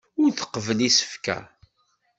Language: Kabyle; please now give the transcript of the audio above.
Ur tqebbel isefka.